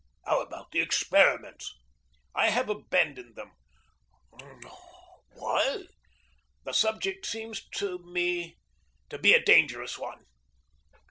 How about the experiments?" "I have abandoned them." "Tut, tut! Why?" "The subject seems to me to be a dangerous one."